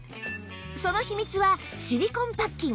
その秘密はシリコンパッキン